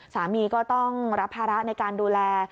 สามีก็ต้องรับภาระในการดูแล